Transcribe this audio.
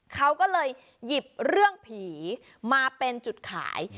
เขาก็เลยหยิบเรื่องผีมาเป็นจุดขาย